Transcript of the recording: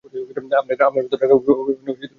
আপনার ভেতর রাগ, অতিমান জমতে শুরু করেছে।